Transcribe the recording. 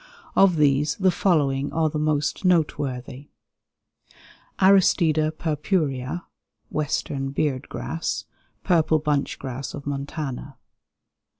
Of these the following are the most noteworthy: Aristida purpurea (Western beard grass; purple "bunch grass" of Montana).